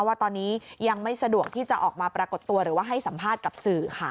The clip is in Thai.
ว่าตอนนี้ยังไม่สะดวกที่จะออกมาปรากฏตัวหรือว่าให้สัมภาษณ์กับสื่อค่ะ